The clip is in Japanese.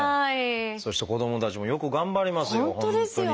そして子どもたちもよく頑張りますよ